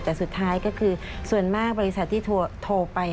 แต่สุดท้ายก็คือส่วนมากบริษัทที่โทรไป